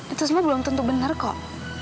itu semua belum tentu benar kok